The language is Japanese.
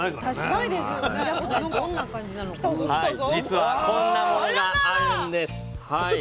実はこんなものがあるんです。